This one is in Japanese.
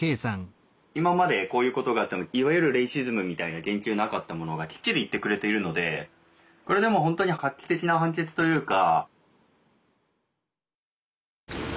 今までこういうことがあってもいわゆるレイシズムみたいな言及なかったものがきっちり言ってくれているのでこれでも本当に画期的な判決というか。